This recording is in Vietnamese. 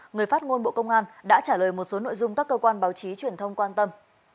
người phát ngôn bộ công an đã trả lời một số nội dung các cơ quan báo chí truyền thông quan tâm